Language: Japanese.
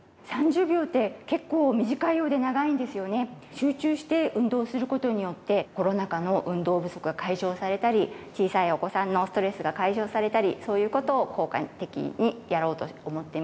集中して運動する事によってコロナ禍の運動不足が解消されたり小さいお子さんのストレスが解消されたりそういう事を効果的にやろうと思っています。